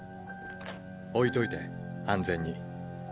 置いといて安全に。